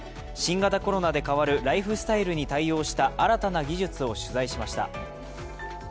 新型コロナで変わるライフスタイルに対応した新たな技術を取材しました。